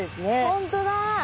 本当だ。